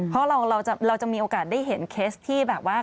เพราะเราจะมีโอกาสได้เห็นเคสที่แบบว่า